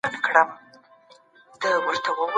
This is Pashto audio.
که ته نېک سړی یې نو ستا هیلې به دي ملګرې وي.